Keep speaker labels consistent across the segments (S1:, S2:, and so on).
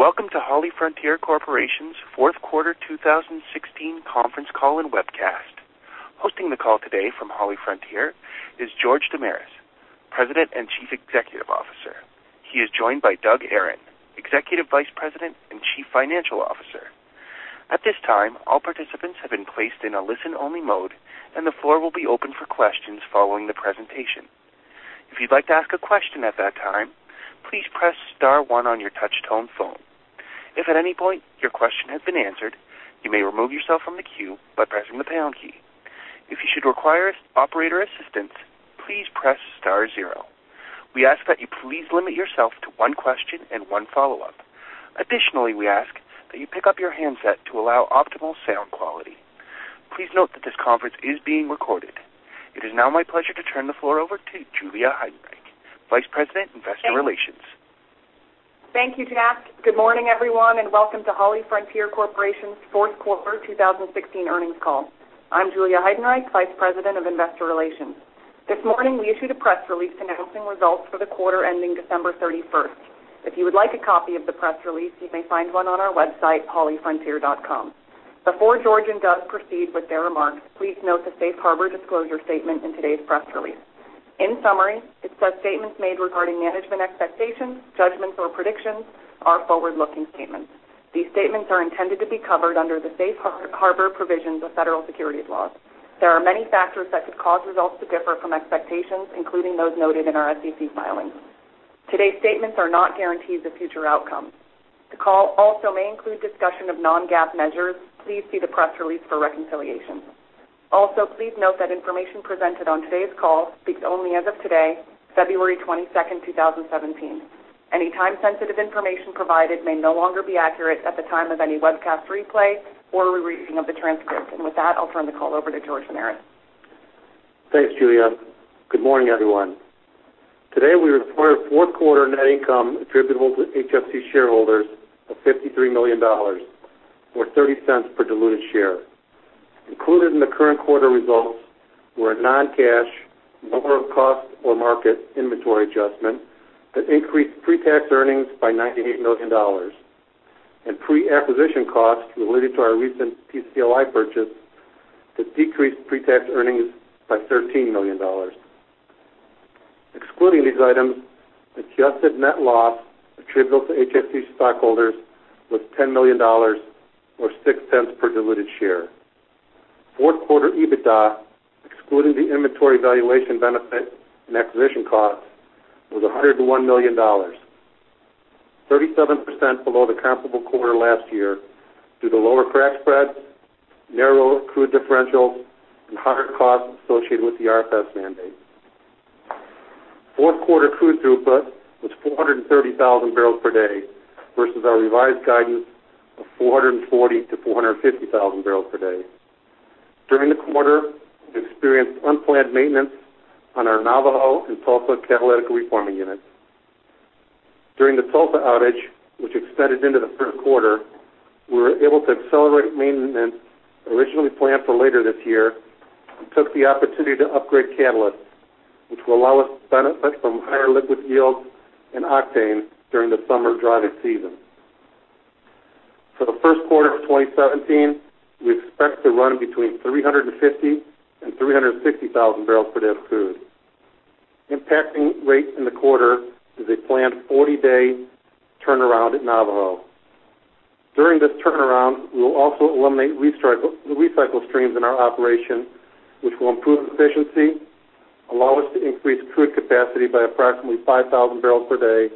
S1: Welcome to HollyFrontier Corporation's fourth quarter 2016 conference call and webcast. Hosting the call today from HollyFrontier is George Damiris, President and Chief Executive Officer. He is joined by Doug Aron, Executive Vice President and Chief Financial Officer. At this time, all participants have been placed in a listen-only mode, the floor will be open for questions following the presentation. If you'd like to ask a question at that time, please press star one on your touch-tone phone. If at any point your question has been answered, you may remove yourself from the queue by pressing the pound key. If you should require operator assistance, please press star zero. We ask that you please limit yourself to one question and one follow-up. Additionally, we ask that you pick up your handset to allow optimal sound quality. Please note that this conference is being recorded. It is now my pleasure to turn the floor over to Julia Heidenreich, Vice President, Investor Relations.
S2: Thank you, Jack. Good morning, everyone, welcome to HollyFrontier Corporation's fourth quarter 2016 earnings call. I'm Julia Heidenreich, Vice President of Investor Relations. This morning, we issued a press release announcing results for the quarter ending December 31st. If you would like a copy of the press release, you may find one on our website, hollyfrontier.com. Before George and Doug proceed with their remarks, please note the safe harbor disclosure statement in today's press release. In summary, it says statements made regarding management expectations, judgments or predictions are forward-looking statements. These statements are intended to be covered under the safe harbor provisions of federal securities laws. There are many factors that could cause results to differ from expectations, including those noted in our SEC filings. Today's statements are not guarantees of future outcomes. The call also may include discussion of non-GAAP measures. Please see the press release for reconciliation. Also, please note that information presented on today's call speaks only as of today, February 22nd, 2017. Any time-sensitive information provided may no longer be accurate at the time of any webcast replay or rereading of the transcript. With that, I'll turn the call over to George Damiris.
S3: Thanks, Julia. Good morning, everyone. Today, we report a fourth quarter net income attributable to HFC shareholders of $53 million, or $0.30 per diluted share. Included in the current quarter results were a non-cash lower of cost or market inventory adjustment that increased pre-tax earnings by $98 million and pre-acquisition costs related to our recent PCLI purchase that decreased pre-tax earnings by $13 million. Excluding these items, adjusted net loss attributable to HFC stockholders was $10 million, or $0.06 per diluted share. Fourth quarter EBITDA, excluding the inventory valuation benefit and acquisition costs, was $101 million, 37% below the comparable quarter last year due to lower crack spreads, narrow crude differentials, and higher costs associated with the RFS mandate. Fourth quarter crude throughput was 430,000 barrels per day versus our revised guidance of 440,000 to 450,000 barrels per day. During the quarter, we experienced unplanned maintenance on our Navajo and Tulsa catalytic reforming units. During the Tulsa outage, which extended into the third quarter, we were able to accelerate maintenance originally planned for later this year and took the opportunity to upgrade catalysts, which will allow us to benefit from higher liquid yields and octane during the summer driving season. For the first quarter of 2017, we expect to run between 350,000 and 360,000 barrels per day of crude. Impacting rates in the quarter is a planned 40-day turnaround at Navajo. During this turnaround, we will also eliminate recycle streams in our operation, which will improve efficiency, allow us to increase crude capacity by approximately 5,000 barrels per day,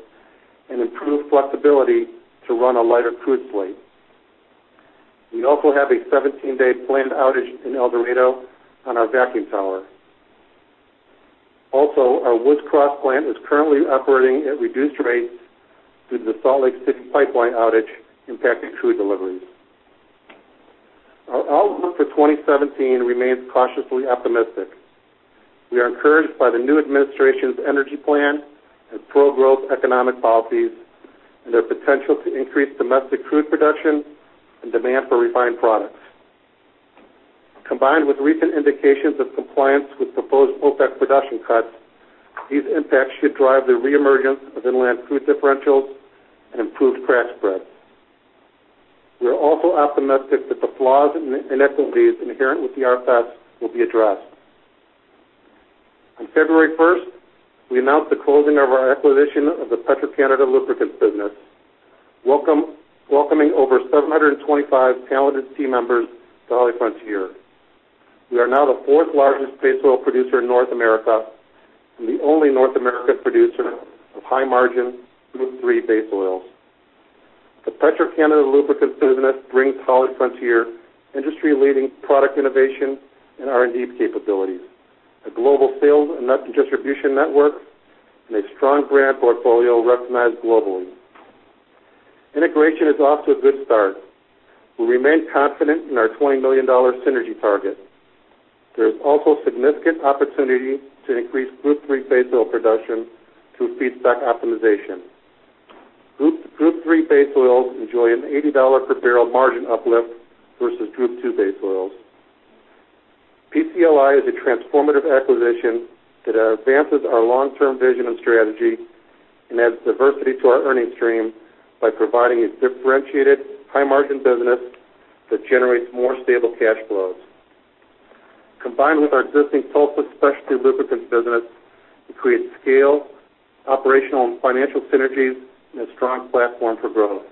S3: and improve flexibility to run a lighter crude slate. We also have a 17-day planned outage in El Dorado on our vacuum tower. Also, our Woods Cross plant is currently operating at reduced rates due to the Salt Lake City pipeline outage impacting crude deliveries. Our outlook for 2017 remains cautiously optimistic. We are encouraged by the new administration's energy plan and pro-growth economic policies and their potential to increase domestic crude production and demand for refined products. Combined with recent indications of compliance with proposed OPEC production cuts, these impacts should drive the reemergence of inland crude differentials and improved crack spreads. We are also optimistic that the flaws and inequities inherent with the RFS will be addressed. On February 1st, we announced the closing of our acquisition of the Petro-Canada Lubricants business, welcoming over 725 talented team members to HollyFrontier. We are now the fourth largest base oil producer in North America and the only North American producer of high-margin Group III base oils. The Petro-Canada Lubricants business brings HollyFrontier industry-leading product innovation and R&D capabilities, a global sales and distribution network, and a strong brand portfolio recognized globally. Integration is off to a good start. We remain confident in our $20 million synergy target. There is also significant opportunity to increase Group III base oil production through feedstock optimization. Group III base oils enjoy an $80 per barrel margin uplift versus Group II base oils. PCLI is a transformative acquisition that advances our long-term vision and strategy and adds diversity to our earnings stream by providing a differentiated high margin business that generates more stable cash flows. Combined with our existing Tulsa specialty lubricants business, it creates scale, operational and financial synergies, and a strong platform for growth.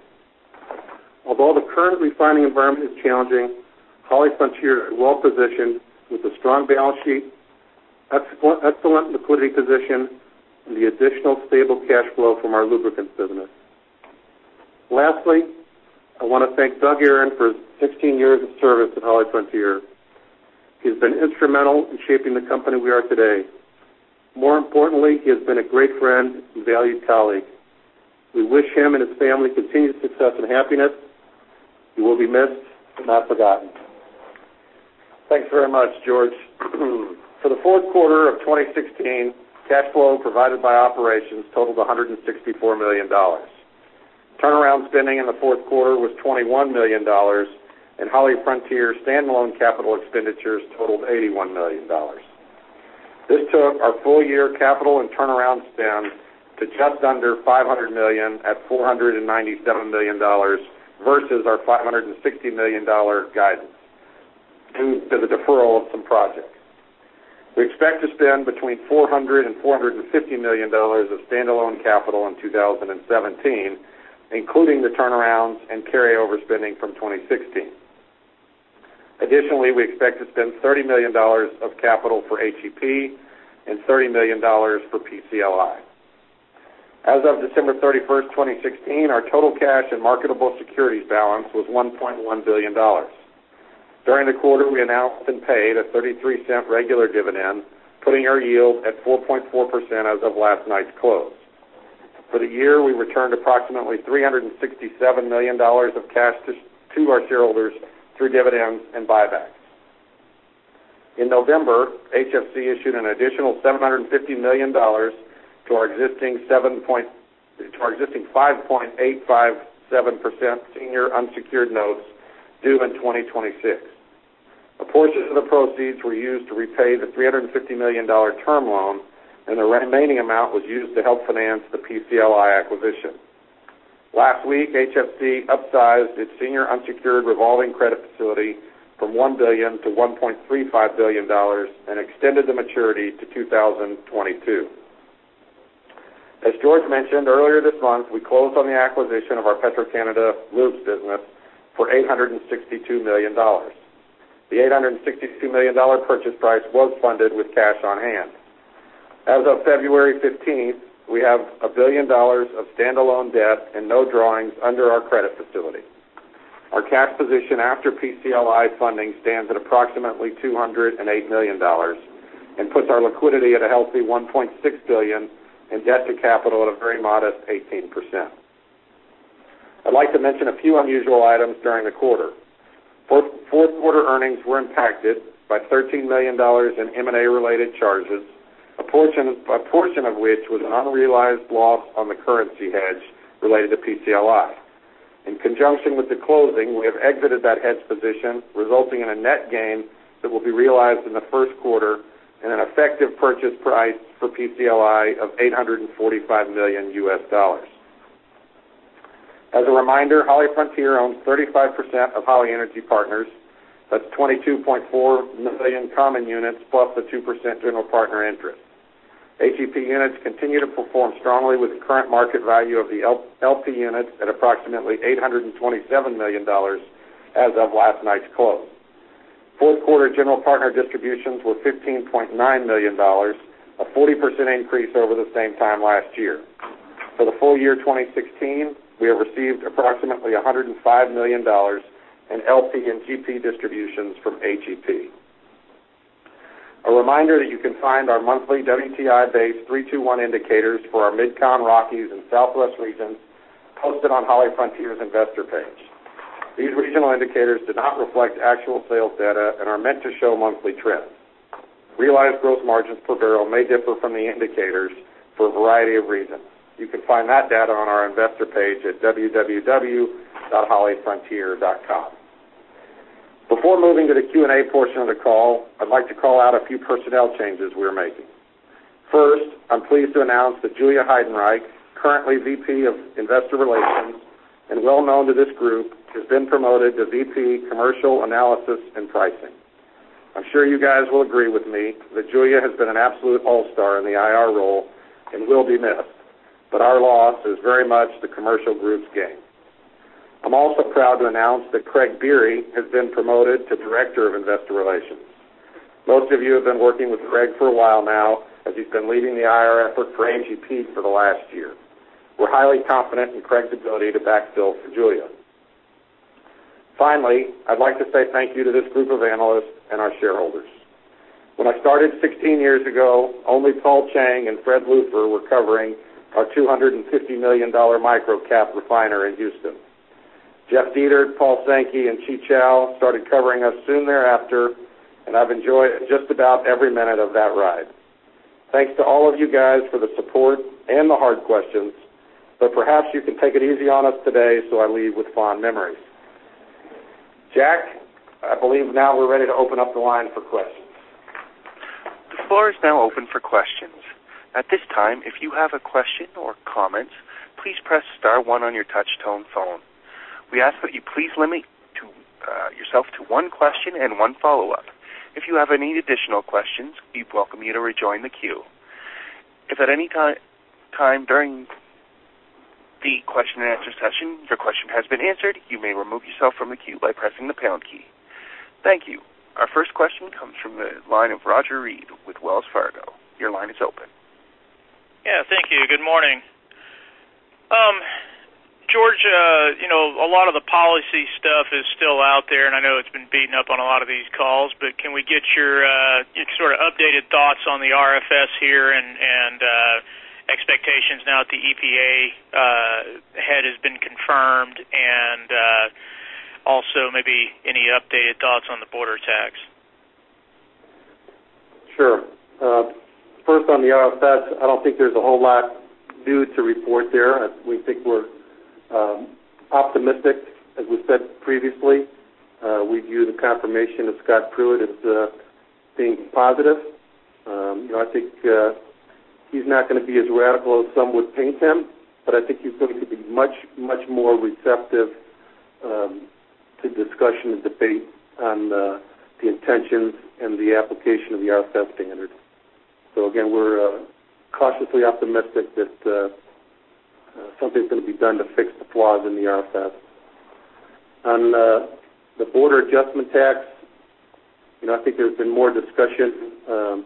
S3: Although the current refining environment is challenging, HollyFrontier is well-positioned with a strong balance sheet, excellent liquidity position, and the additional stable cash flow from our lubricants business. Lastly, I want to thank Doug Aron for 16 years of service at HollyFrontier. He's been instrumental in shaping the company we are today. More importantly, he has been a great friend and valued colleague. We wish him and his family continued success and happiness. You will be missed and not forgotten.
S4: Thanks very much, George. For the fourth quarter of 2016, cash flow provided by operations totaled $164 million. Turnaround spending in the fourth quarter was $21 million, and HollyFrontier standalone capital expenditures totaled $81 million. This took our full year capital and turnaround spend to just under $500 million at $497 million versus our $560 million guidance due to the deferral of some projects. We expect to spend between $400 million and $450 million of standalone capital in 2017, including the turnarounds and carryover spending from 2016. Additionally, we expect to spend $30 million of capital for HEP and $30 million for PCLI. As of December 31st, 2016, our total cash and marketable securities balance was $1.1 billion. During the quarter, we announced and paid a $0.33 regular dividend, putting our yield at 4.4% as of last night's close. For the year, we returned approximately $367 million of cash to our shareholders through dividends and buybacks. In November, HFC issued an additional $750 million to our existing 5.857% senior unsecured notes due in 2026. A portion of the proceeds were used to repay the $350 million term loan, and the remaining amount was used to help finance the PCLI acquisition. Last week, HFC upsized its senior unsecured revolving credit facility from $1 billion to $1.35 billion and extended the maturity to 2022. As George mentioned, earlier this month, we closed on the acquisition of our Petro-Canada lubes business for $862 million. The $862 million purchase price was funded with cash on hand. As of February 15th, we have $1 billion of standalone debt and no drawings under our credit facility. Our cash position after PCLI funding stands at approximately $208 million and puts our liquidity at a healthy $1.6 billion and debt to capital at a very modest 18%. I'd like to mention a few unusual items during the quarter. Fourth quarter earnings were impacted by $13 million in M&A related charges, a portion of which was an unrealized loss on the currency hedge related to PCLI. In conjunction with the closing, we have exited that hedge position, resulting in a net gain that will be realized in the first quarter and an effective purchase price for PCLI of $845 million USD. As a reminder, HollyFrontier owns 35% of Holly Energy Partners. That's 22.4 million common units plus a 2% general partner interest. HEP units continue to perform strongly with the current market value of the LP units at approximately $827 million as of last night's close. Fourth quarter general partner distributions were $15.9 million, a 40% increase over the same time last year. For the full year 2016, we have received approximately $105 million in LP and GP distributions from HEP. A reminder that you can find our monthly WTI-based 3-2-1 indicators for our MidCon, Rockies, and Southwest regions posted on HollyFrontier's investor page. These regional indicators do not reflect actual sales data and are meant to show monthly trends. Realized gross margins per barrel may differ from the indicators for a variety of reasons. You can find that data on our investor page at www.hollyfrontier.com. Before moving to the Q&A portion of the call, I'd like to call out a few personnel changes we're making. First, I'm pleased to announce that Julia Heidenreich, currently VP of Investor Relations and well known to this group, has been promoted to VP Commercial Analysis and Pricing. I'm sure you guys will agree with me that Julia has been an absolute all-star in the IR role and will be missed, but our loss is very much the commercial group's gain. I'm also proud to announce that Craig Biery has been promoted to Director of Investor Relations. Most of you have been working with Craig for a while now as he's been leading the IR effort for HEP for the last year. Finally, I'd like to say thank you to this group of analysts and our shareholders. When I started 16 years ago, only Paul Cheng and Fred Leuffer were covering our $250 million microcap refiner in Houston. Jeff Dietert, Paul Sankey, and Chi Chow started covering us soon thereafter, and I've enjoyed just about every minute of that ride.
S3: Thanks to all of you guys for the support and the hard questions, but perhaps you can take it easy on us today so I leave with fond memories. Jack, I believe now we're ready to open up the line for questions.
S1: The floor is now open for questions. At this time, if you have a question or comments, please press star one on your touch-tone phone. We ask that you please limit yourself to one question and one follow-up. If you have any additional questions, we welcome you to rejoin the queue. If at any time during the question-and-answer session your question has been answered, you may remove yourself from the queue by pressing the pound key. Thank you. Our first question comes from the line of Roger Read with Wells Fargo. Your line is open.
S5: Yeah, thank you. Good morning. George, a lot of the policy stuff is still out there, and I know it's been beaten up on a lot of these calls, but can we get your updated thoughts on the RFS here and expectations now that the EPA head has been confirmed, and also maybe any updated thoughts on the border tax?
S3: Sure. First on the RFS, I don't think there's a whole lot new to report there. We think we're optimistic, as we said previously. We view the confirmation of Scott Pruitt as being positive. I think he's not going to be as radical as some would paint him, but I think he's going to be much more receptive to discussion and debate on the intentions and the application of the RFS standard. Again, we're cautiously optimistic that something's going to be done to fix the flaws in the RFS. On the border adjustment tax, I think there's been more discussion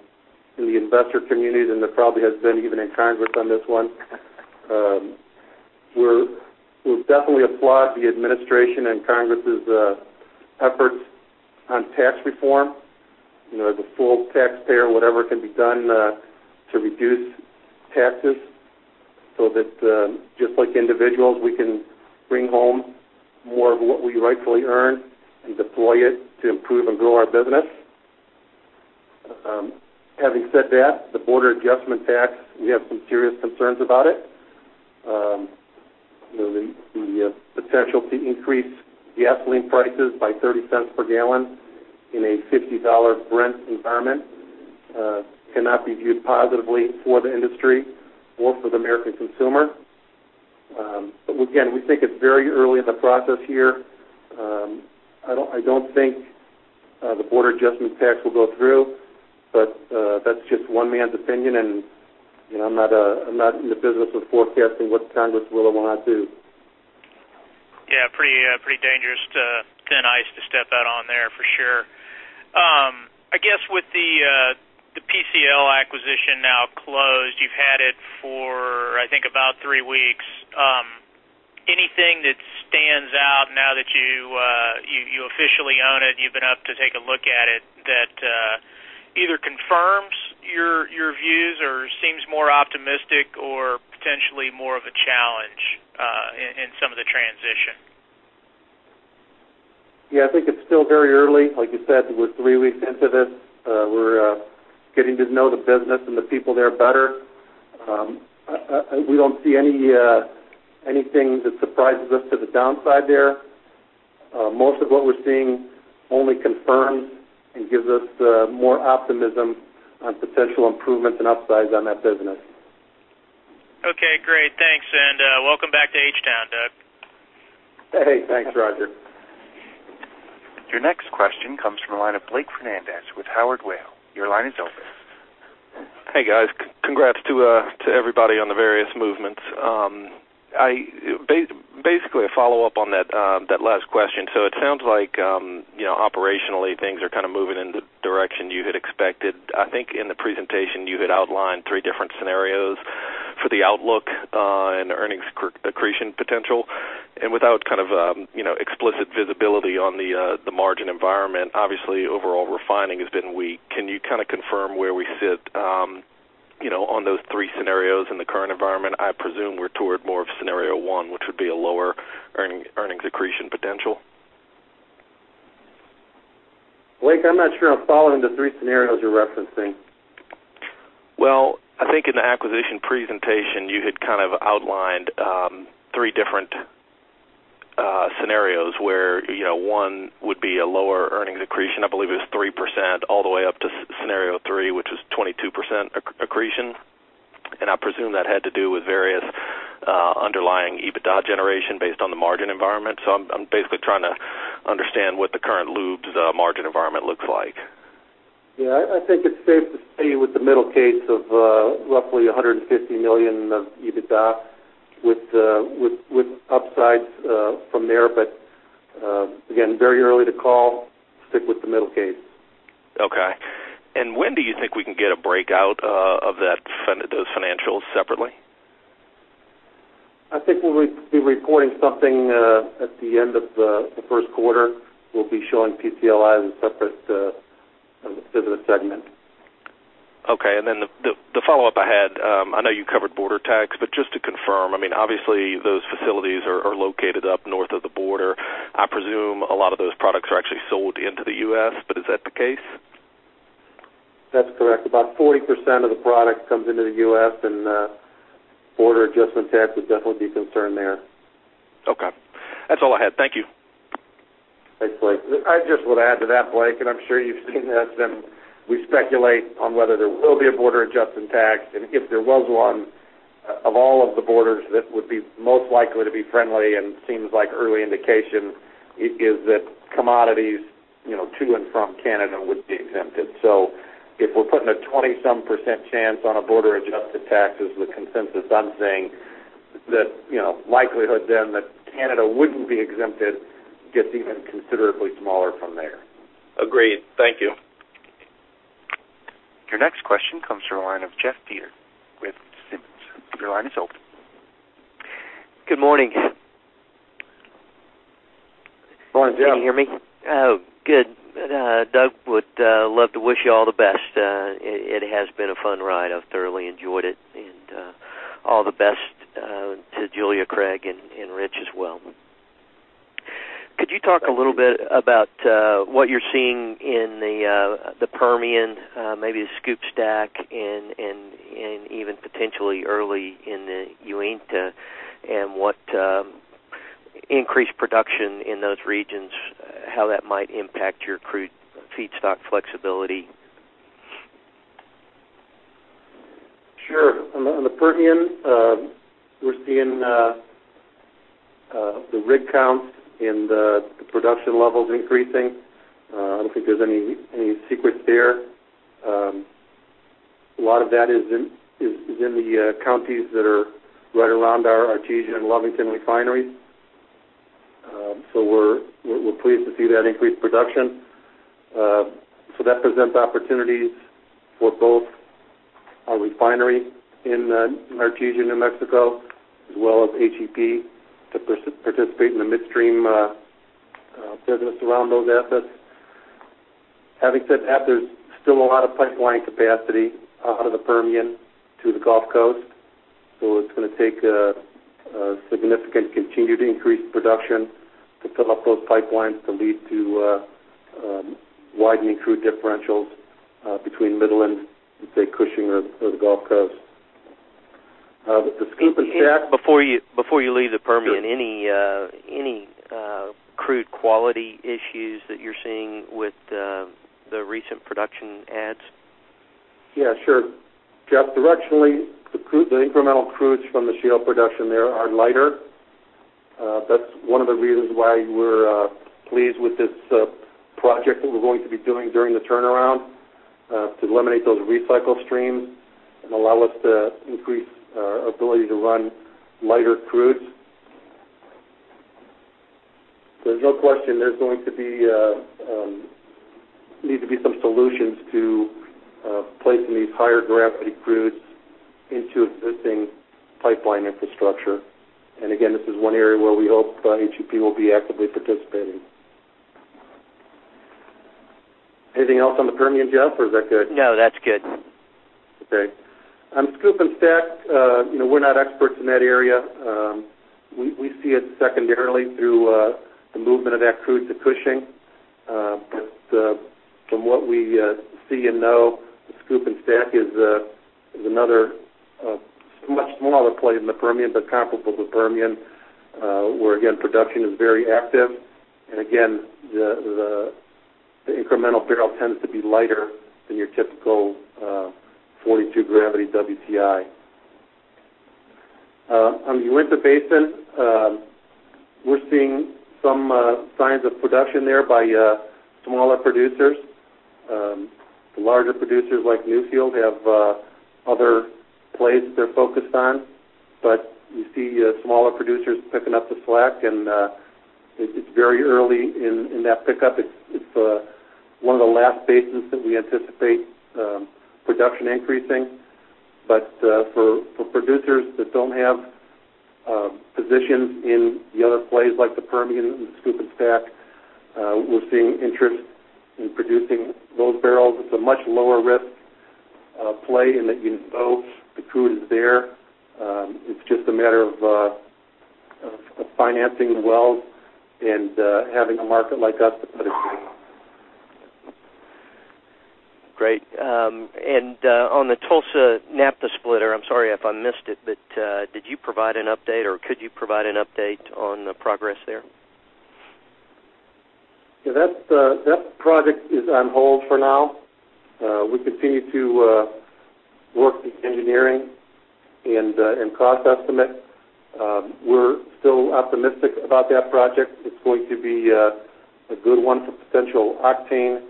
S3: in the investor community than there probably has been even in Congress on this one. We've definitely applaud the administration and Congress's efforts on tax reform. As a full taxpayer, whatever can be done to reduce taxes so that just like individuals, we can bring home more of what we rightfully earn and deploy it to improve and grow our business. Having said that, the border adjustment tax, we have some serious concerns about it. The potential to increase gasoline prices by $0.30 per gallon in a $50 Brent environment cannot be viewed positively for the industry or for the American consumer. Again, we think it's very early in the process here. I don't think the border adjustment tax will go through, but that's just one man's opinion, and I'm not in the business of forecasting what Congress will or will not do.
S5: Yeah, pretty dangerous thin ice to step out on there, for sure. I guess with the PCLI acquisition now closed, you've had it for, I think about three weeks. Anything that stands out now that you officially own it, you've been able to take a look at it, that either confirms your views or seems more optimistic or potentially more of a challenge in some of the transition?
S3: I think it's still very early. Like you said, we're three weeks into this. We're getting to know the business and the people there better. We don't see anything that surprises us to the downside there. Most of what we're seeing only confirms and gives us more optimism on potential improvements and upsides on that business.
S5: Okay, great. Thanks. Welcome back to H-Town, Doug.
S3: Hey, thanks, Roger.
S1: Your next question comes from the line of Blake Fernandez with Howard Weil. Your line is open.
S6: Hey, guys. Congrats to everybody on the various movements. Basically, a follow-up on that last question. It sounds like operationally things are kind of moving in the direction you had expected. I think in the presentation you had outlined three different scenarios for the outlook and earnings accretion potential. Without explicit visibility on the margin environment, obviously overall refining has been weak. Can you confirm where we sit on those three scenarios in the current environment? I presume we're toward more of scenario one, which would be a lower earnings accretion potential.
S3: Blake, I'm not sure I'm following the three scenarios you're referencing.
S6: I think in the acquisition presentation, you had outlined three different scenarios where one would be a lower earnings accretion. I believe it was 3% all the way up to scenario 3, which was 22% accretion. I presume that had to do with various underlying EBITDA generation based on the margin environment. I'm basically trying to understand what the current lubes margin environment looks like.
S3: I think it's safe to say with the middle case of roughly $150 million of EBITDA with upsides from there. Again, very early to call, stick with the middle case.
S6: Okay. When do you think we can get a breakout of those financials separately?
S3: I think we'll be reporting something at the end of the first quarter. We'll be showing PCLI as a separate business segment.
S6: Okay. The follow-up I had, I know you covered border tax, but just to confirm, obviously those facilities are located up north of the border. I presume a lot of those products are actually sold into the U.S., but is that the case?
S3: That's correct. About 40% of the product comes into the U.S., and border adjustment tax would definitely be a concern there.
S6: Okay. That's all I had. Thank you.
S3: Thanks, Blake. I just would add to that, Blake, I'm sure you've seen this, we speculate on whether there will be a border adjustment tax, if there was one, of all of the borders, that would be most likely to be friendly and seems like early indication is that commodities to and from Canada would be exempted. If we're putting a 20-some% chance on a border adjusted tax as the consensus, I'm saying that the likelihood that Canada wouldn't be exempted gets even considerably smaller from there.
S6: Agreed. Thank you.
S1: Your next question comes from the line of Jeff Dietert with Simmons. Your line is open.
S7: Good morning.
S3: Morning, Jeff.
S7: Can you hear me? Oh, good. Doug, would love to wish you all the best. It has been a fun ride. I've thoroughly enjoyed it. All the best to Julia, Craig, and Rich as well. Could you talk a little bit about what you're seeing in the Permian, maybe the SCOOP/STACK and even potentially early in the Uinta, and what increased production in those regions, how that might impact your crude feedstock flexibility?
S3: Sure. On the Permian, we're seeing the rig counts and the production levels increasing. I don't think there's any secrets there. A lot of that is in the counties that are right around our Artesia and Lovington refineries. We're pleased to see that increased production. That presents opportunities for both our refinery in Artesia, New Mexico, as well as HEP to participate in the midstream business around those assets. Having said that, there's still a lot of pipeline capacity out of the Permian to the Gulf Coast, so it's going to take a significant continued increased production to fill up those pipelines to lead to widening crude differentials between Midland, let's say, Cushing or the Gulf Coast. The SCOOP/STACK
S7: Before you leave the Permian,
S3: Sure
S7: Any crude quality issues that you're seeing with the recent production adds?
S3: Yeah, sure. Jeff, directionally, the incremental crudes from the shale production there are lighter. That's one of the reasons why we're pleased with this project that we're going to be doing during the turnaround to eliminate those recycle streams and allow us to increase our ability to run lighter crudes. There's no question there needs to be some solutions to placing these higher-gravity crudes into existing pipeline infrastructure. Again, this is one area where we hope HEP will be actively participating. Anything else on the Permian, Jeff, or is that good?
S7: No, that's good.
S3: Okay. On SCOOP and STACK, we're not experts in that area. We see it secondarily through the movement of that crude to Cushing. From what we see and know, the SCOOP and STACK is another much smaller play than the Permian, but comparable to the Permian, where, again, production is very active. Again, the incremental barrel tends to be lighter than your typical 42-gravity WTI. On the Uinta Basin, we're seeing some signs of production there by smaller producers. The larger producers like Newfield have other plays they're focused on, but we see smaller producers picking up the slack, and it's very early in that pickup. It's one of the last basins that we anticipate production increasing. For producers that don't have positions in the other plays like the Permian and the SCOOP and STACK, we're seeing interest in producing those barrels. It's a much lower-risk play in that you know the crude is there. It's just a matter of financing the wells and having a market like us to put it in.
S7: Great. On the Tulsa Naphtha splitter, I'm sorry if I missed it, did you provide an update or could you provide an update on the progress there?
S3: That project is on hold for now. We continue to work the engineering and cost estimate. We're still optimistic about that project. It's going to be a good one for potential octane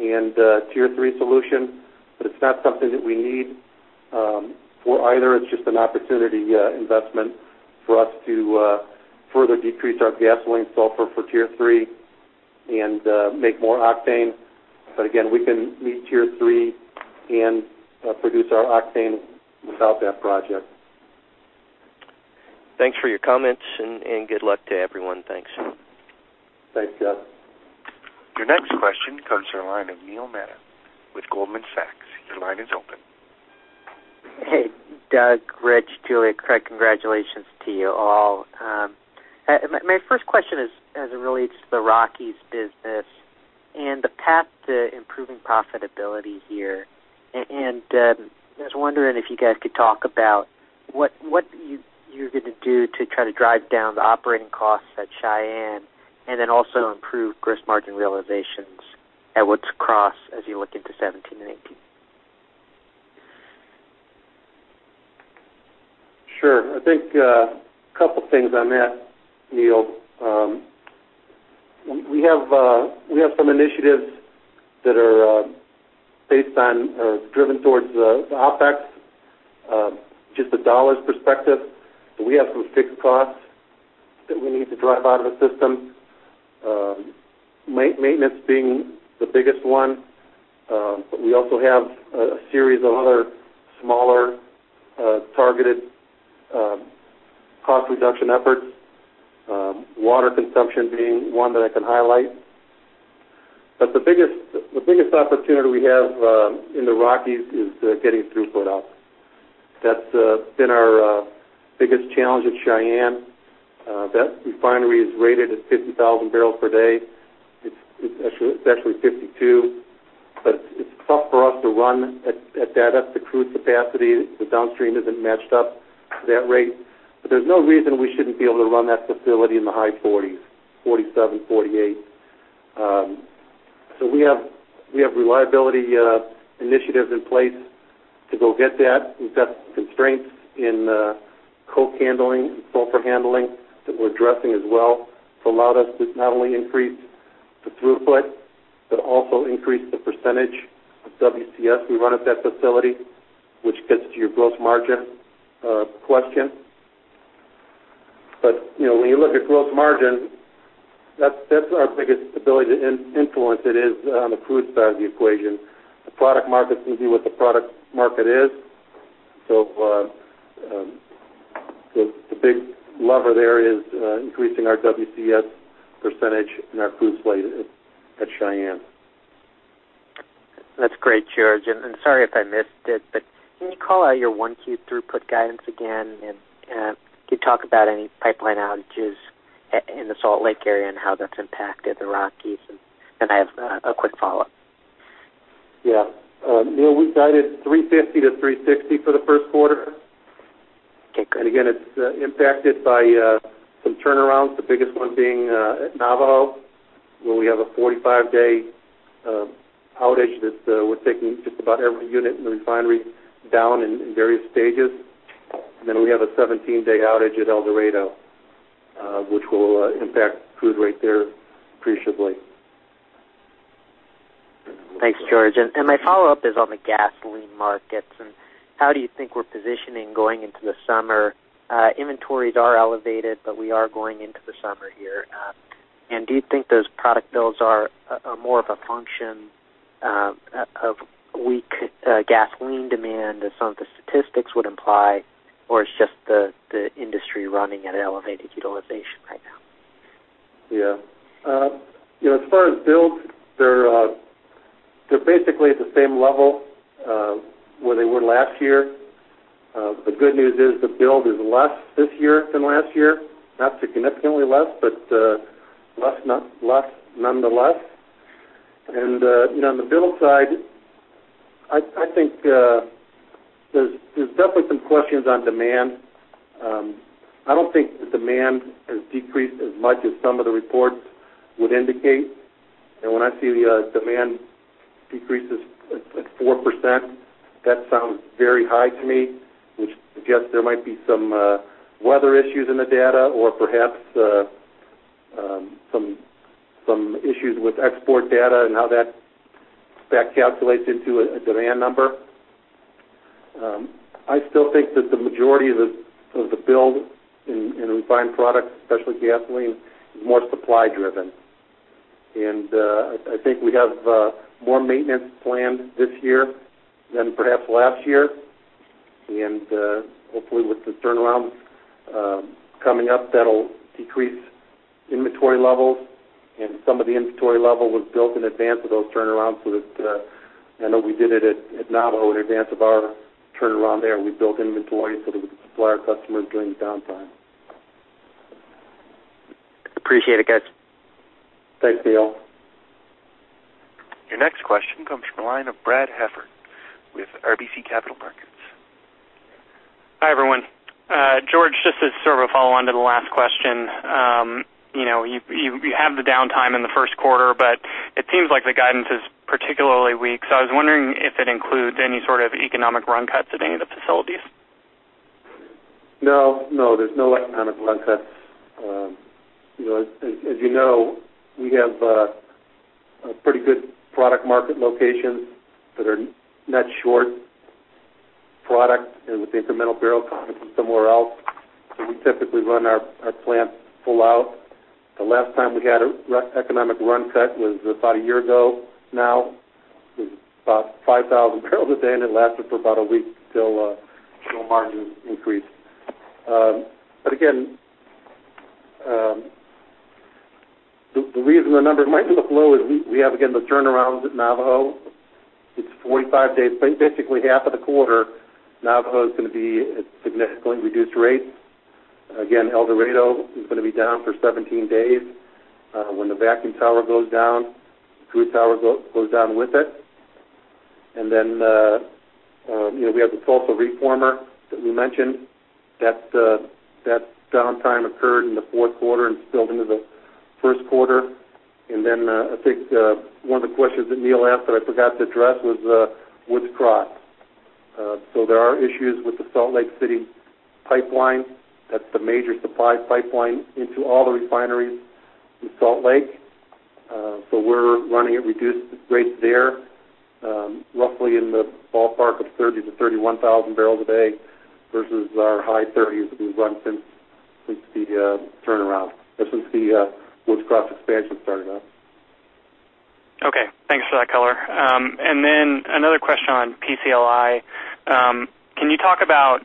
S3: and Tier 3 solution, it's not something that we need for either. It's just an opportunity investment for us to further decrease our gasoline sulfur for Tier 3 and make more octane. Again, we can meet Tier 3 and produce our octane without that project.
S7: Thanks for your comments, good luck to everyone. Thanks.
S3: Thanks, Jeff.
S1: Your next question comes from the line of Neil Mehta with Goldman Sachs. Your line is open.
S8: Doug, Rich, Julia, Craig, congratulations to you all. My first question as it relates to the Rockies business and the path to improving profitability here. I was wondering if you guys could talk about what you're going to do to try to drive down the operating costs at Cheyenne and then also improve gross margin realizations at Woods Cross as you look into 2017 and 2018.
S3: Sure. I think a couple of things on that, Neil. We have some initiatives that are based on or driven towards the OpEx, just the dollars perspective. We have some fixed costs that we need to drive out of the system. Maintenance being the biggest one. We also have a series of other smaller targeted cost reduction efforts. Water consumption being one that I can highlight. The biggest opportunity we have in the Rockies is getting throughput up. That's been our biggest challenge at Cheyenne. That refinery is rated at 50,000 barrels per day. It's actually 52,000, but it's tough for us to run at that. That's the crude capacity. The downstream isn't matched up to that rate. There's no reason we shouldn't be able to run that facility in the high 40s, 47,000, 48,000. We have reliability initiatives in place to go get that. We've got constraints in coke handling and sulfur handling that we're addressing as well to allow us to not only increase the throughput, but also increase the percentage of WCS we run at that facility, which gets to your gross margin question. When you look at gross margin, that's our biggest ability to influence it is on the crude side of the equation. The product market is going to be what the product market is. The big lever there is increasing our WCS percentage in our crude slate at Cheyenne.
S8: That's great, George. Sorry if I missed it, can you call out your 1Q throughput guidance again, could you talk about any pipeline outages in the Salt Lake area and how that's impacted the Rockies? I have a quick follow-up.
S3: Neil, we guided 350,000 to 360,000 for the first quarter.
S8: Okay, great.
S3: Again, it's impacted by some turnarounds, the biggest one being at Navajo, where we have a 45-day outage that we're taking just about every unit in the refinery down in various stages. Then we have a 17-day outage at El Dorado, which will impact crude right there appreciably.
S8: Thanks, George. My follow-up is on the gasoline markets, and how do you think we're positioning going into the summer? Inventories are elevated, we are going into the summer here. Do you think those product builds are more of a function of weak gasoline demand, as some of the statistics would imply, or it's just the industry running at elevated utilization right now?
S3: Yeah. As far as builds, they're basically at the same level where they were last year. The good news is the build is less this year than last year, not significantly less, but less nonetheless. On the build side, I think there's definitely some questions on demand. I don't think the demand has decreased as much as some of the reports would indicate. When I see the demand decreases at 4%, that sounds very high to me, which suggests there might be some weather issues in the data or perhaps some issues with export data and how that calculates into a demand number. I still think that the majority of the build in refined products, especially gasoline, is more supply driven. I think we have more maintenance planned this year than perhaps last year. Hopefully with the turnarounds coming up, that'll decrease inventory levels. Some of the inventory level was built in advance of those turnarounds. I know we did it at Navajo in advance of our turnaround there. We built inventory so that we could supply our customers during the downtime.
S8: Appreciate it, guys.
S3: Thanks, Neil.
S1: Your next question comes from the line of Brad Heffern with RBC Capital Markets.
S9: Hi, everyone. George, just as sort of a follow-on to the last question. You have the downtime in the first quarter, but it seems like the guidance is particularly weak. I was wondering if it includes any sort of economic run cuts at any of the facilities.
S3: No. There's no economic run cuts. As you know, we have a pretty good product market locations that are net short product and with incremental barrel coming from somewhere else. We typically run our plants full out. The last time we had an economic run cut was about a year ago now. It was about 5,000 barrels a day, and it lasted for about a week till margins increased. The reason the number might look low is we have, again, the turnarounds at Navajo. It's 45 days. Basically half of the quarter, Navajo is going to be at significantly reduced rates. El Dorado is going to be down for 17 days. When the vacuum tower goes down, crude tower goes down with it. We have the Tulsa reformer that we mentioned. That downtime occurred in the fourth quarter and spilled into the first quarter. I think one of the questions that Neil asked that I forgot to address was Woods Cross. There are issues with the Salt Lake City pipeline. That's the major supply pipeline into all the refineries in Salt Lake. We're running at reduced rates there, roughly in the ballpark of 30,000 to 31,000 barrels a day versus our high 30s that we've run since the turnaround, or since the Woods Cross expansion started up.
S9: Okay. Thanks for that color. Another question on PCLI. Can you talk about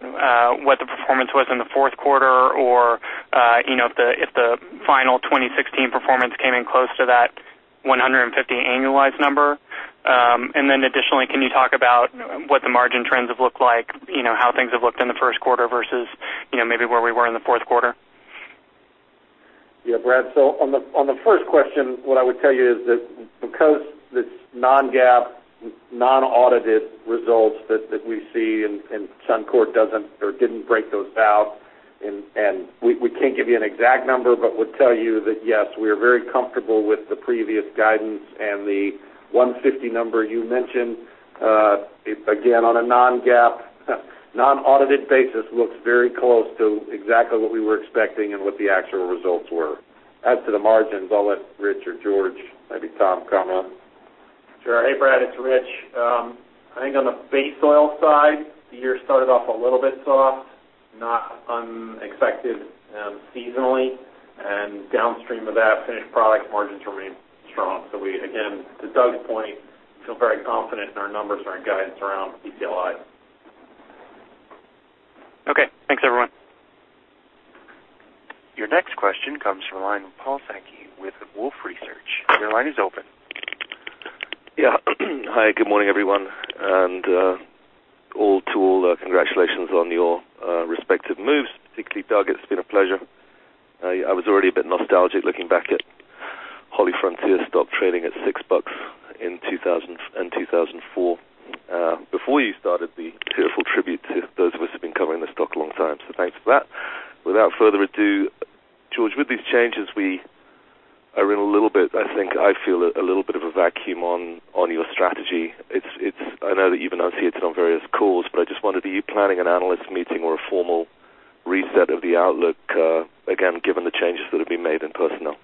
S9: what the performance was in the fourth quarter or if the final 2016 performance came in close to that 150 annualized number? Additionally, can you talk about what the margin trends have looked like? How things have looked in the first quarter versus maybe where we were in the fourth quarter?
S3: Brad, on the first question, what I would tell you is that because this non-GAAP, non-audited results that we see and Suncor doesn't or didn't break those out, we can't give you an exact number, but would tell you that yes, we are very comfortable with the previous guidance and the 150 number you mentioned. Again, on a non-GAAP, non-audited basis, looks very close to exactly what we were expecting and what the actual results were. As to the margins, I'll let Rich or George, maybe Tom comment.
S10: Sure. Hey, Brad, it's Rich. I think on the base oil side, the year started off a little bit soft, not unexpected seasonally, downstream of that, finished product margins remain strong. We, again, to Doug's point, feel very confident in our numbers and our guidance around PCLI.
S9: Okay. Thanks, everyone.
S1: Your next question comes from the line with Paul Sankey with Wolfe Research. Your line is open.
S11: Yeah. Hi, good morning, everyone, and all to all, congratulations on your respective moves. Particularly Doug, it's been a pleasure. I was already a bit nostalgic looking back at HollyFrontier stock trading at $6 in 2004 before you started. The tearful tribute to those of us who've been covering the stock a long time, thanks for that. Without further ado, George, with these changes, we are in a little bit, I think, I feel, a little bit of a vacuum on your strategy. I know that you've announced it on various calls, I just wonder, are you planning an analyst meeting or a formal reset of the outlook, again, given the changes that have been made in personnel?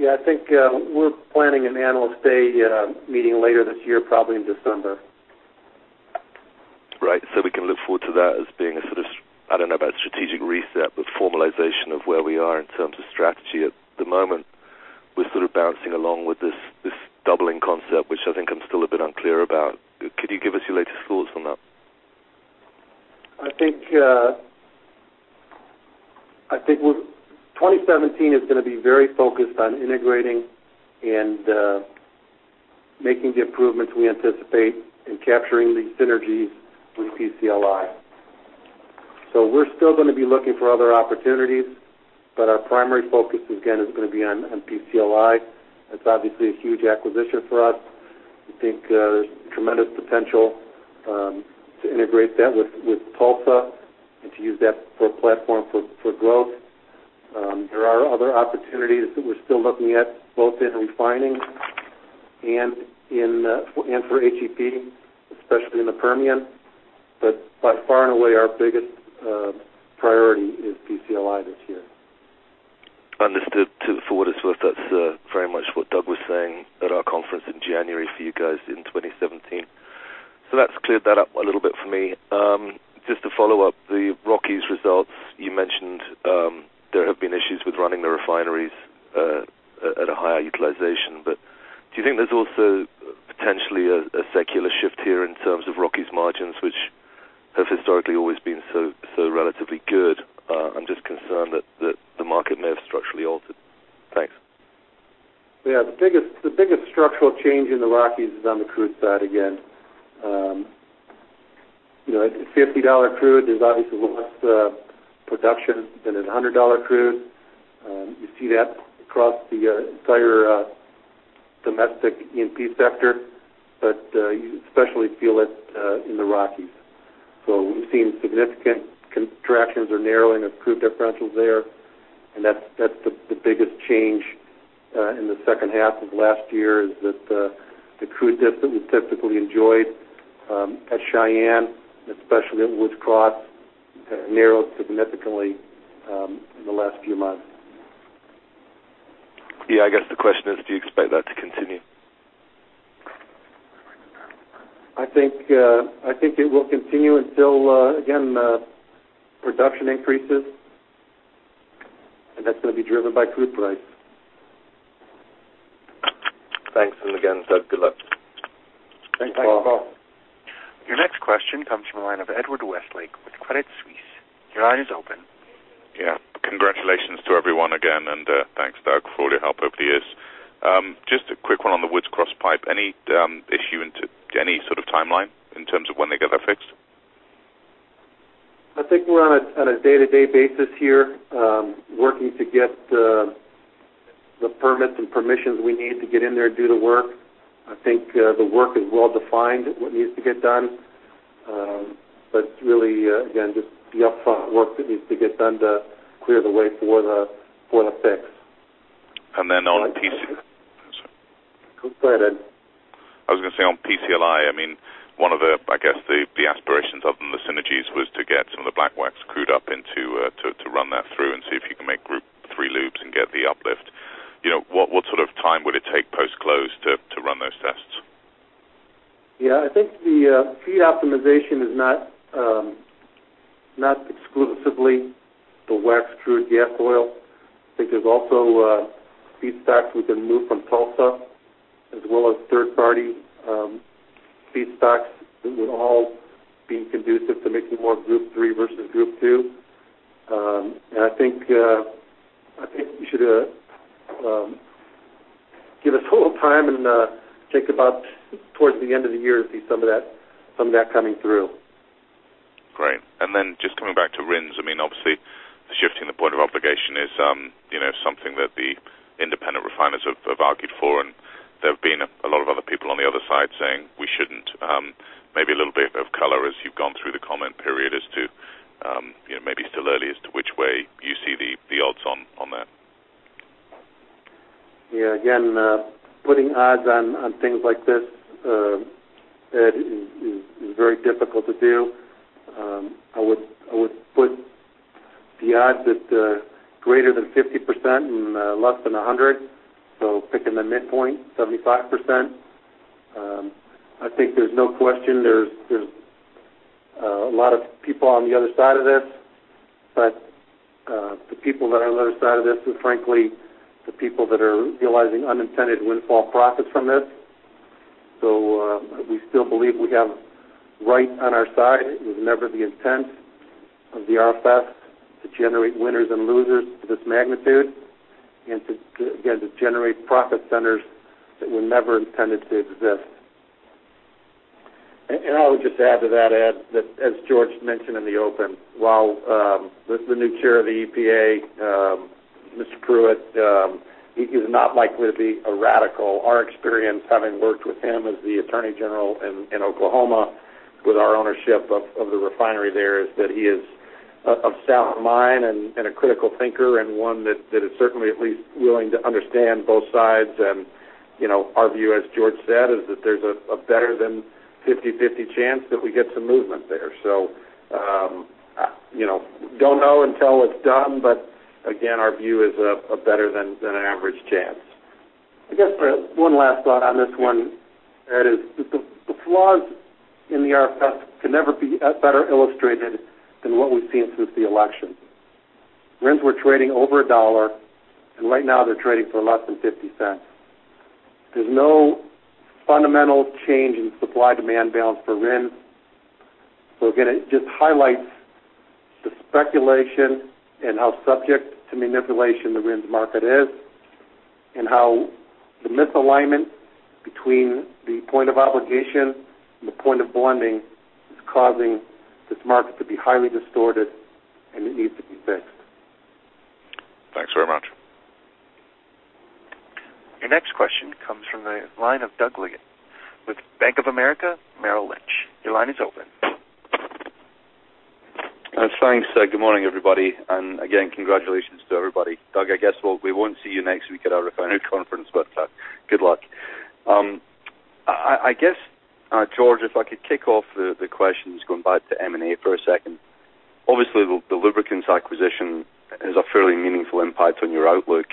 S11: Thanks.
S3: I think we're planning an analyst day meeting later this year, probably in December.
S11: Right. We can look forward to that as being a sort of, I don't know about strategic reset, formalization of where we are in terms of strategy. At the moment, we're sort of bouncing along with this doubling concept, which I think I'm still a bit unclear about. Could you give us your latest thoughts on that?
S3: I think 2017 is going to be very focused on integrating and making the improvements we anticipate in capturing the synergies with PCLI. We're still going to be looking for other opportunities, our primary focus, again, is going to be on PCLI. That's obviously a huge acquisition for us. We think there's tremendous potential to integrate that with Tulsa and to use that for a platform for growth. There are other opportunities that we're still looking at, both in refining and for HEP, especially in the Permian. By far and away, our biggest priority is PCLI this year.
S11: Understood. For what it's worth, that's very much what Doug was saying at our conference in January for you guys in 2017. That's cleared that up a little bit for me. Just to follow up, the Rockies results, you mentioned there have been issues with running the refineries at a higher utilization. Do you think there's also potentially a secular shift here in terms of Rockies margins, which have historically always been so relatively good? I'm just concerned that the market may have structurally altered. Thanks.
S3: The biggest structural change in the Rockies is on the crude side again. At $50 crude, there's obviously a lot less production than at $100 crude. You see that across the entire domestic EMP sector, but you especially feel it in the Rockies. We've seen significant contractions or narrowing of crude differentials there, and that's the biggest change in the second half of last year, is that the crude diff that we typically enjoyed at Cheyenne, especially at Woods Cross, narrowed significantly in the last few months.
S11: I guess the question is, do you expect that to continue?
S3: I think it will continue until, again, production increases. That's going to be driven by crude price.
S11: Thanks. Again, Doug, good luck.
S3: Thanks, Paul.
S4: Thanks, Paul.
S1: Your next question comes from the line of Edward Westlake with Credit Suisse. Your line is open.
S12: Yeah. Congratulations to everyone again. Thanks, Doug, for all your help over the years. Just a quick one on the Woods Cross pipe. Any issue into any sort of timeline in terms of when they get that fixed?
S3: I think we're on a day-to-day basis here, working to get the permits and permissions we need to get in there and do the work. I think the work is well-defined, what needs to get done. Really, again, just the upfront work that needs to get done to clear the way for the fix.
S12: On PCLI-
S3: Go ahead, Ed.
S12: I was going to say on PCLI, one of the aspirations of the synergies was to get some of the black wax crude up and to run that through and see if you can make Group III lubes and get the uplift. What sort of time would it take post-close to run those tests?
S3: Yeah, I think the feed optimization is not exclusively the wax-crude gas oil. I think there's also feedstocks we can move from Tulsa, as well as third-party feedstocks that would all be conducive to making more Group III versus Group II. I think you should give us a little time and think about towards the end of the year to see some of that coming through.
S12: Great. Then just coming back to RINs, obviously, the shifting the point of obligation is something that the independent refiners have argued for, and there have been a lot of other people on the other side saying we shouldn't. Maybe a little bit of color as you've gone through the comment period as to, maybe still early, as to which way you see the odds on that.
S3: Yeah. Again, putting odds on things like this, Ed, is very difficult to do. I would put the odds at greater than 50% and less than 100. Picking the midpoint, 75%. I think there's no question there's a lot of people on the other side of this, the people that are on the other side of this are frankly the people that are realizing unintended windfall profits from this. We still believe we have right on our side. It was never the intent of the RFS to generate winners and losers to this magnitude and, again, to generate profit centers that were never intended to exist.
S4: I would just add to that, Ed, that as George mentioned in the open, while the new chair of the EPA, Mr. Pruitt, he's not likely to be a radical. Our experience, having worked with him as the attorney general in Oklahoma with our ownership of the refinery there, is that he is of sound mind and a critical thinker and one that is certainly at least willing to understand both sides. Our view, as George said, is that there's a better than 50/50 chance that we get some movement there. Don't know until it's done, but again, our view is a better than an average chance.
S3: I guess one last thought on this one, Ed, is the flaws in the RFS could never be better illustrated than what we've seen since the election. RINs were trading over $1, and right now they're trading for less than $0.50. There's no fundamental change in supply-demand balance for RINs. Again, it just highlights the speculation and how subject to manipulation the RINs market is, and how the misalignment between the point of obligation and the point of blending is causing this market to be highly distorted and it needs to be fixed.
S12: Thanks very much.
S1: Your next question comes from the line of Doug Leggate with Bank of America Merrill Lynch. Your line is open.
S13: Thanks. Good morning, everybody. Congratulations to everybody. Doug, I guess we won't see you next week at our refiner conference, but good luck. I guess, George, if I could kick off the questions going back to M&A for a second. Obviously, the lubricants acquisition has a fairly meaningful impact on your outlook.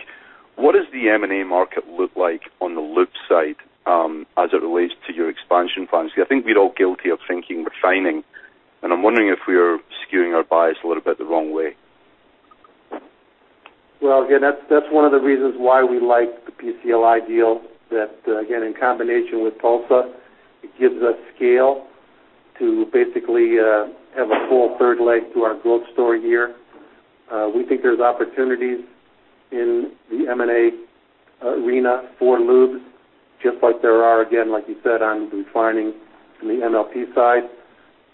S13: What does the M&A market look like on the lube side as it relates to your expansion plans? I think we're all guilty of thinking refining, and I'm wondering if we're skewing our bias a little bit the wrong way.
S3: Well, again, that's one of the reasons why we like the PCLI deal that, again, in combination with Tulsa, it gives us scale to basically have a full third leg to our growth story here. We think there's opportunities in the M&A arena for lubes, just like there are, again, like you said, on refining from the MLP side.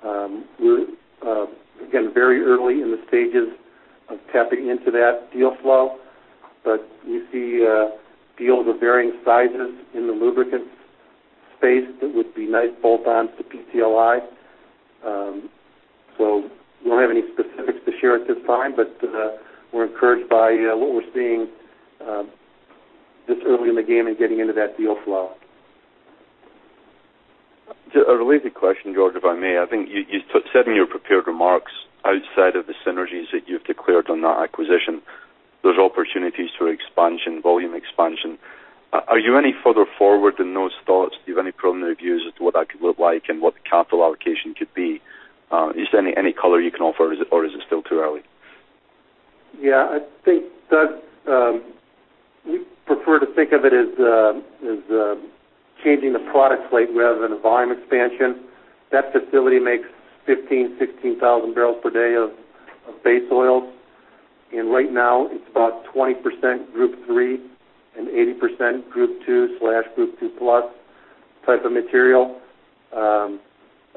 S3: We're, again, very early in the stages of tapping into that deal flow, but we see deals of varying sizes in the lubricants space that would be nice bolt-ons to PCLI. We don't have any specifics to share at this time, but we're encouraged by what we're seeing this early in the game and getting into that deal flow.
S13: A related question, George, if I may. I think you said in your prepared remarks, outside of the synergies that you've declared on that acquisition, there's opportunities for expansion, volume expansion. Are you any further forward in those thoughts? Do you have any preliminary views as to what that could look like and what the capital allocation could be? Is there any color you can offer, or is it still too early?
S3: Yeah, I think, Doug, we prefer to think of it as changing the product slate rather than a volume expansion. That facility makes 15,000, 16,000 barrels per day of base oil. Right now it's about 20% Group III and 80% Group II/Group II plus type of material.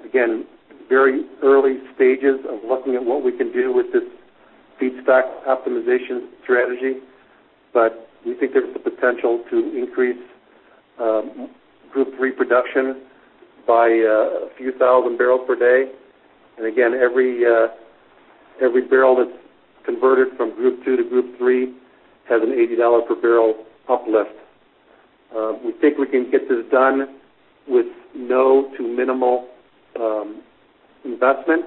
S3: Again, very early stages of looking at what we can do with this feedstock optimization strategy, but we think there's the potential to increase Group III production by a few thousand barrels per day. Again, every barrel that's converted from Group II to Group III has an $80 per barrel uplift. We think we can get this done with no to minimal investment.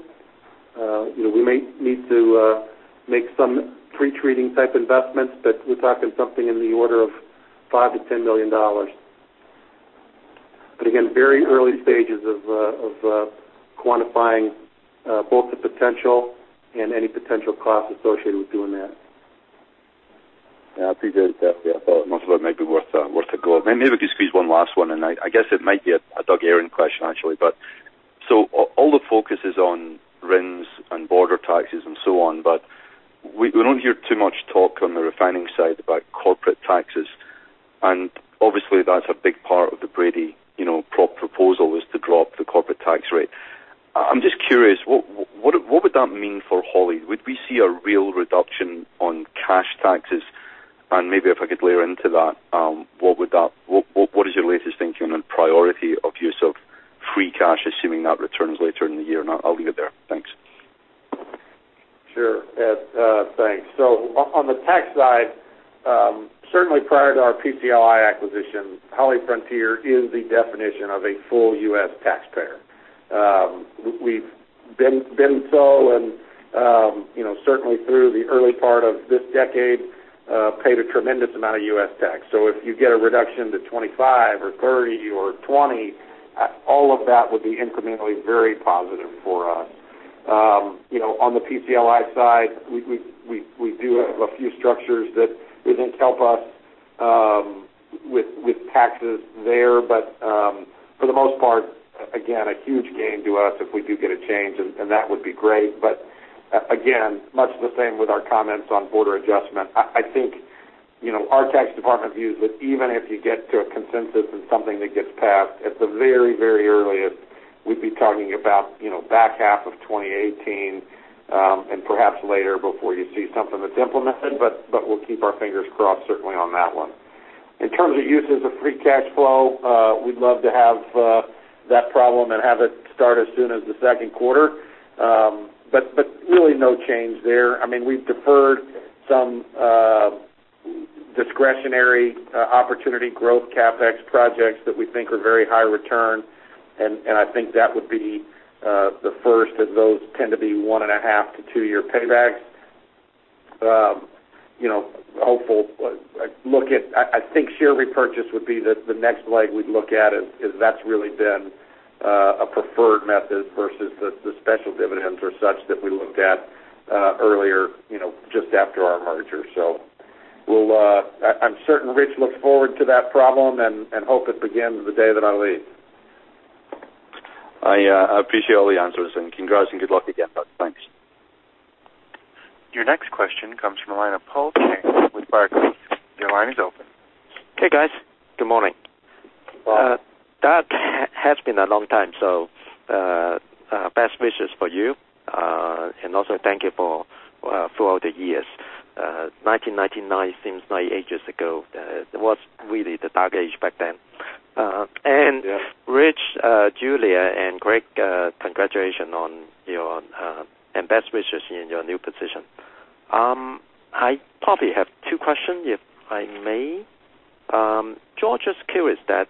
S3: We may need to make some pre-treating type investments, but we're talking something in the order of $5 million-$10 million. Again, very early stages of quantifying both the potential and any potential costs associated with doing that.
S13: I appreciate that. I thought most of it might be worth a go. Maybe I could squeeze one last one in. I guess it might be a Doug Aron question, actually. All the focus is on RINs and border taxes and so on, we don't hear too much talk on the refining side about corporate taxes, and obviously that's a big part of the Brady proposal, was to drop the corporate tax rate. I'm just curious, what would that mean for Holly? Would we see a real reduction on cash taxes? Maybe if I could layer into that, what is your latest thinking on priority of use of free cash, assuming that returns later in the year? I'll leave it there. Thanks.
S4: Sure. Ed, thanks. On the tax side, certainly prior to our PCLI acquisition, HollyFrontier is the definition of a full U.S. taxpayer. We've been so and certainly through the early part of this decade paid a tremendous amount of U.S. tax. If you get a reduction to 25 or 30 or 20, all of that would be incrementally very positive for us. On the PCLI side, we do have a few structures that we think help us with taxes there. For the most part, again, a huge gain to us if we do get a change, and that would be great. Again, much the same with our comments on border adjustment. I think our tax department views that even if you get to a consensus and something that gets passed at the very, very earliest, we'd be talking about back half of 2018 and perhaps later before you see something that's implemented. We'll keep our fingers crossed, certainly on that one. In terms of uses of free cash flow, we'd love to have that problem and have it start as soon as the second quarter. Really no change there. We've deferred some discretionary opportunity growth CapEx projects that we think are very high return, and I think that would be the first, as those tend to be one and a half to two year paybacks. I think share repurchase would be the next leg we'd look at, as that's really been a preferred method versus the special dividends or such that we looked at earlier, just after our merger. I'm certain Rich looks forward to that problem and hope it begins the day that I leave.
S13: I appreciate all the answers and congrats and good luck again, Doug. Thanks.
S1: Your next question comes from the line of Paul Cheng with Barclays. Your line is open.
S14: Hey, guys. Good morning.
S4: Paul.
S14: Doug, has been a long time. Best wishes for you, and also thank you throughout the years. 1999 seems like ages ago. It was really the Doug age back then.
S4: Yes.
S14: Rich, Julia and Craig, congratulations on your-- and best wishes in your new position. I probably have two questions, if I may. Just curious that,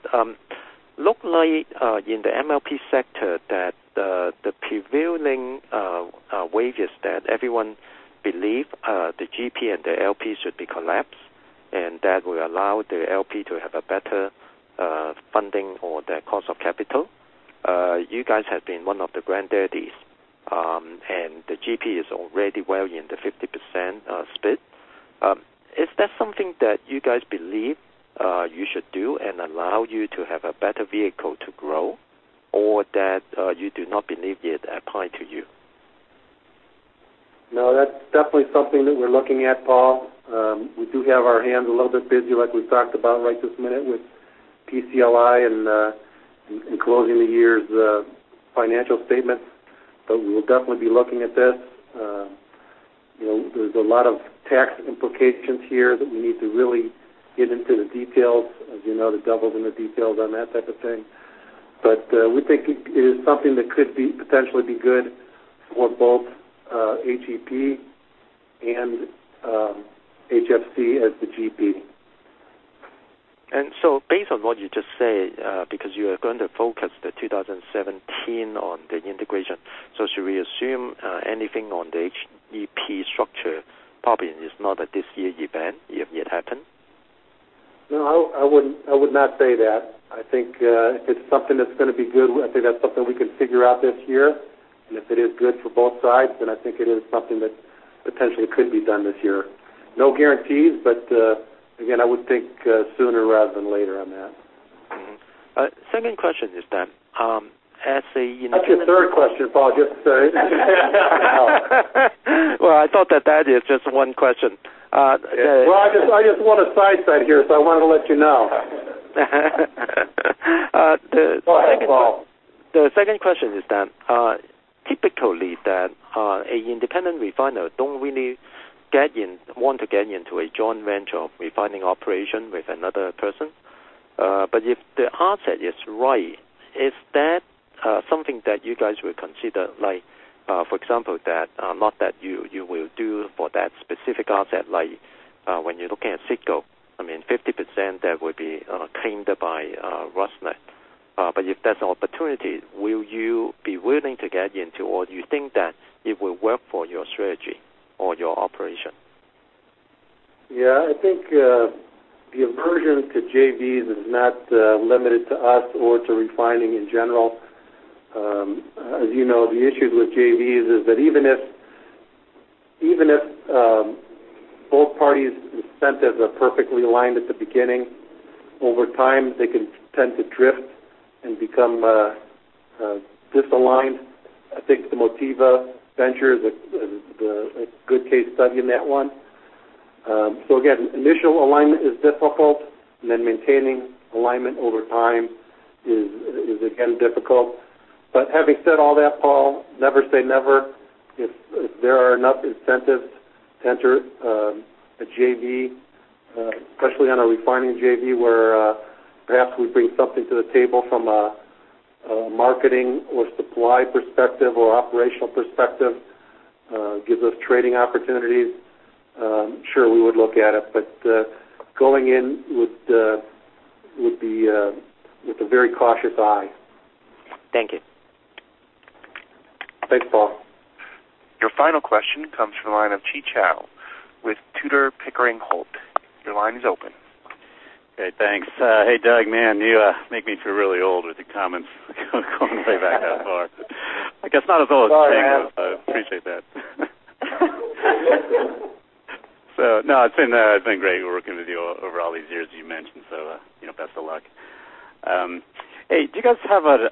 S14: look like in the MLP sector that the prevailing wave is that everyone believe the GP and the LP should be collapsed, and that will allow the LP to have a better funding for their cost of capital. You guys have been one of the granddaddies, and the GP is already well in the 50% split. Is that something that you guys believe you should do and allow you to have a better vehicle to grow or that you do not believe yet apply to you?
S3: That's definitely something that we're looking at, Paul. We do have our hands a little bit busy, like we've talked about right this minute with PCLI and closing the year's financial statements. We will definitely be looking at this. There's a lot of tax implications here that we need to really get into the details. As you know, the devil's in the details on that type of thing. We think it is something that could potentially be good for both HEP and HFC as the GP.
S14: Based on what you just said, because you are going to focus the 2017 on the integration, so should we assume anything on the HEP structure probably is not a this year event, it happened?
S3: No, I would not say that. I think if it's something that's going to be good, I think that's something we can figure out this year. If it is good for both sides, then I think it is something that potentially could be done this year. No guarantees, but again, I would think sooner rather than later on that.
S14: Mm-hmm. Second question this time.
S3: That's your third question, Paul, just so you know.
S14: Well, I thought that that is just one question.
S3: Well, I just want to side step here. I wanted to let you know.
S14: The second-
S3: Go ahead, Paul.
S14: The second question is, typically that an independent refiner don't really want to get into a joint venture refining operation with another person. If the asset is right, is that something that you guys would consider, for example, not that you will do for that specific asset, like when you're looking at CITGO, I mean, 50% that would be claimed by Rosneft. If that's an opportunity, will you be willing to get into, or do you think that it will work for your strategy or your operation?
S3: Yeah, I think the aversion to JVs is not limited to us or to refining in general. As you know, the issues with JVs is that even if both parties' incentives are perfectly aligned at the beginning, over time they can tend to drift and become misaligned. I think the Motiva venture is a good case study in that one. Again, initial alignment is difficult, and then maintaining alignment over time is again difficult. Having said all that, Paul, never say never. If there are enough incentives to enter a JV, especially on a refining JV where perhaps we bring something to the table from a marketing or supply perspective or operational perspective, gives us trading opportunities, sure, we would look at it. Going in with a very cautious eye.
S14: Thank you.
S3: Thanks, Paul.
S1: Your final question comes from the line of Chi Chow with Tudor, Pickering Holt. Your line is open.
S15: Okay, thanks. Hey, Doug, man, you make me feel really old with your comments going way back that far. I guess not as old as Cheng, though.
S3: Sorry, man.
S15: I appreciate that. No, it's been great working with you over all these years, as you mentioned, best of luck. Hey, do you guys have an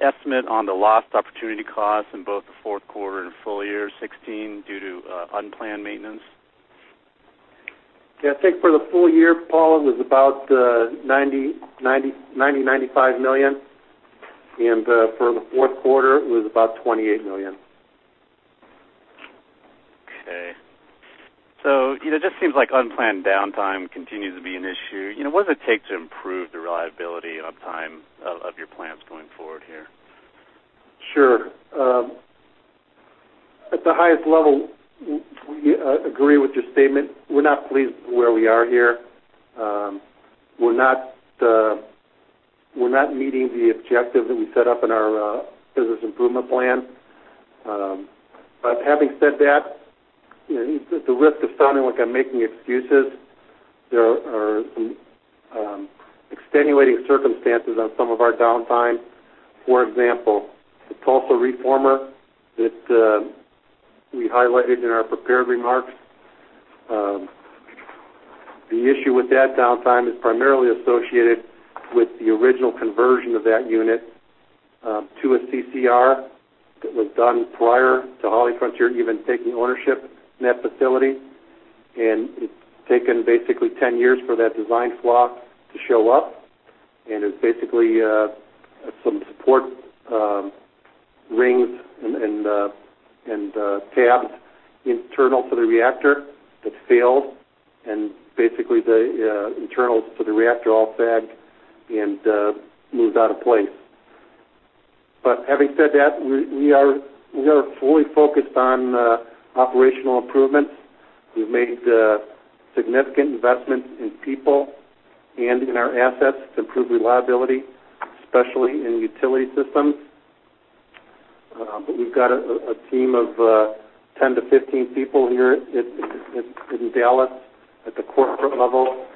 S15: estimate on the lost opportunity cost in both the fourth quarter and full year 2016 due to unplanned maintenance?
S3: I think for the full year, Paul, it was about $90, $95 million, and for the fourth quarter, it was about $28 million.
S15: Okay. Just seems like unplanned downtime continues to be an issue. What does it take to improve the reliability and uptime of your plants going forward here?
S3: Sure. At the highest level, we agree with your statement. We're not pleased with where we are here. We're not meeting the objective that we set up in our business improvement plan. Having said that, at the risk of sounding like I'm making excuses, there are some extenuating circumstances on some of our downtime. For example, the Tulsa reformer that we highlighted in our prepared remarks. The issue with that downtime is primarily associated with the original conversion of that unit to a CCR that was done prior to HollyFrontier even taking ownership in that facility, and it's taken basically 10 years for that design flaw to show up. It's basically some support rings and tabs internal to the reactor that failed, and basically the internals for the reactor all sagged and moved out of place. Having said that, we are fully focused on operational improvements. We've made significant investments in people and in our assets to improve reliability, especially in utility systems. We've got a team of 10 to 15 people here in Dallas at the corporate level,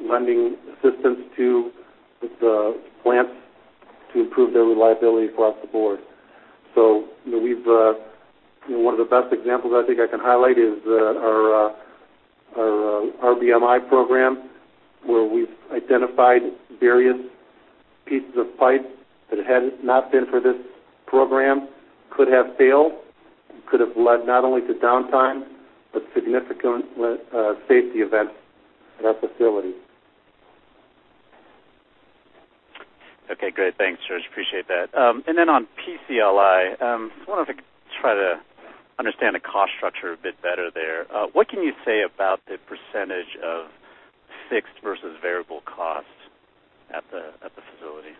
S3: lending assistance to the plants to improve their reliability across the board. One of the best examples I think I can highlight is our RBMI program, where we've identified various pieces of pipe that had not been for this program could have failed, and could have led not only to downtime, but significant safety events at our facility.
S15: Okay, great. Thanks, George. Appreciate that. On PCLI, just wanted to try to understand the cost structure a bit better there. What can you say about the % of fixed versus variable costs at the facility?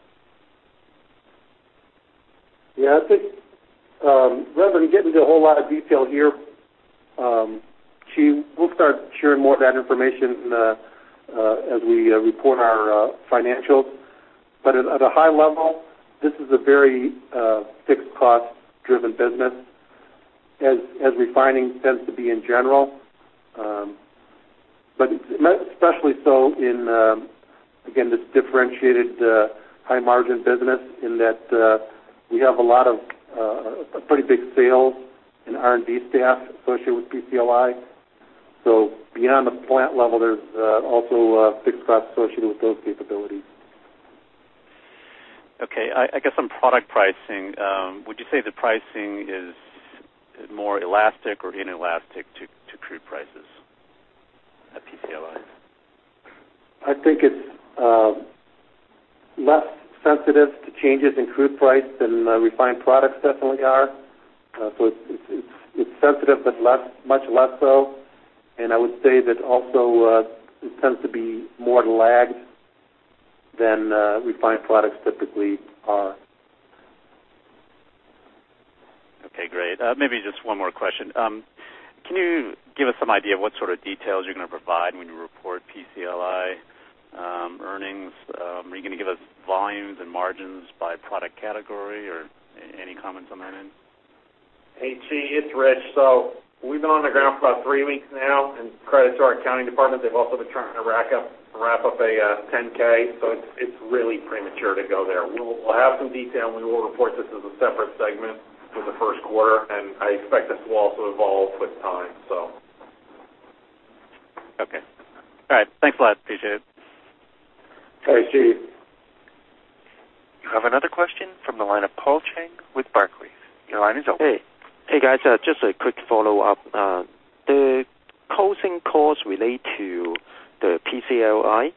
S3: I think rather than get into a whole lot of detail here, Chi, we'll start sharing more of that information as we report our financials. At a high level, this is a very fixed cost-driven business As refining tends to be in general. Especially so in, again, this differentiated high-margin business in that we have a lot of pretty big sales and R&D staff associated with PCLI. Beyond the plant level, there's also a fixed cost associated with those capabilities.
S15: Okay. I guess on product pricing, would you say the pricing is more elastic or inelastic to crude prices at PCLI?
S3: I think it's less sensitive to changes in crude price than refined products definitely are. It's sensitive, much less so. I would say that also it tends to be more lagged than refined products typically are.
S15: Okay, great. Maybe just one more question. Can you give us some idea of what sort of details you're going to provide when you report PCLI earnings? Are you going to give us volumes and margins by product category, or any comments on that end?
S16: Hey, Steve, it's Rich. We've been on the ground for about three weeks now, credit to our accounting department, they've also been trying to wrap up a 10-K. It's really premature to go there. We'll have some detail, we will report this as a separate segment for the first quarter, I expect this will also evolve with time.
S15: Okay. All right. Thanks a lot. Appreciate it.
S3: Okay, Steve.
S1: You have another question from the line of Paul Cheng with Barclays. Your line is open.
S14: Hey. Hey, guys. Just a quick follow-up. The closing costs relate to the PCLI.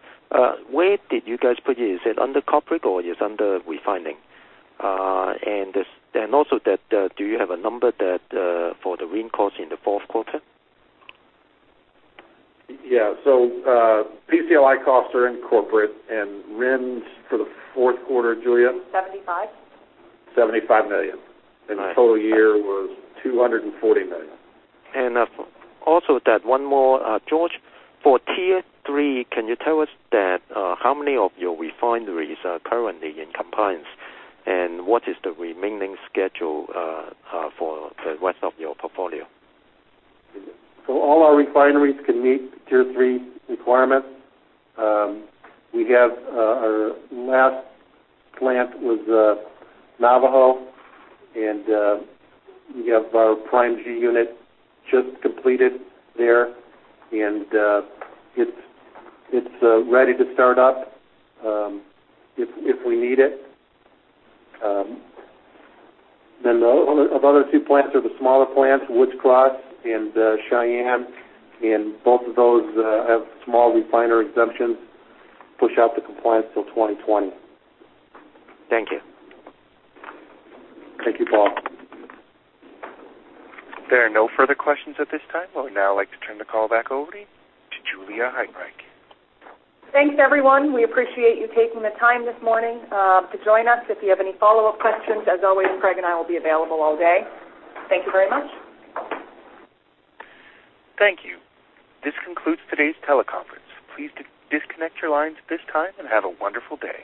S14: Where did you guys put it? Is it under corporate or is it under refining? Do you have a number for the RIN cost in the fourth quarter?
S10: Yeah. PCLI costs are in corporate and RINs for the fourth quarter, Julia?
S2: 75.
S10: $75 million. Right. The total year was $240 million.
S14: Also that one more. George, for Tier 3, can you tell us that how many of your refineries are currently in compliance, and what is the remaining schedule for the rest of your portfolio?
S3: All our refineries can meet Tier 3 requirements. Our last plant was Navajo, and we have our Prime-G+ unit just completed there, and it's ready to start up if we need it. The other two plants are the smaller plants, Woods Cross and Cheyenne, and both of those have small refinery exemptions, push out the compliance till 2020.
S14: Thank you.
S3: Thank you, Paul.
S1: There are no further questions at this time. I would now like to turn the call back over to Julia Heidenreich.
S2: Thanks, everyone. We appreciate you taking the time this morning to join us. If you have any follow-up questions, as always, Craig and I will be available all day. Thank you very much.
S1: Thank you. This concludes today's teleconference. Please disconnect your lines at this time and have a wonderful day.